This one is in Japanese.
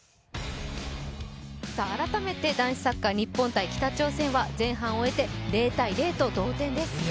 改めて男子サッカー、日本×北朝鮮は前半を終えて０−０と同点です。